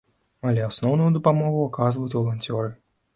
Але асноўную дапамогу аказваюць валанцёры.